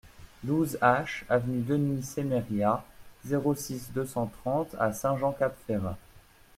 douze H avenue Denis Semeria, zéro six, deux cent trente à Saint-Jean-Cap-Ferrat